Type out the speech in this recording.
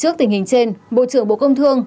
trước tình hình trên bộ trưởng bộ công tương